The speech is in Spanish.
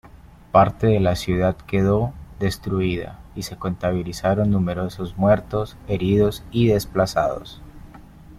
Parte de la ciudad quedó destruida, y se contabilizaron numerosos muertos, heridos y desplazados.